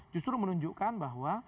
justru menunjukkan bahwa